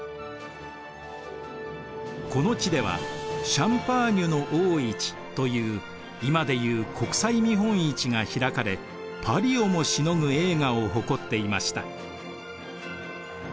この地では「シャンパーニュの大市」という今でいう国際見本市が開かれパリをもしのぐ栄華を誇っていました。